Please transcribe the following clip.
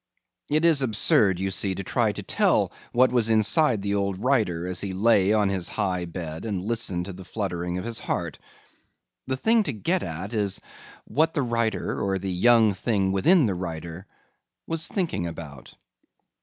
It is absurd, you see, to try to tell what was inside the old writer as he lay on his high bed and listened to the fluttering of his heart. The thing to get at is what the writer, or the young thing within the writer, was thinking about.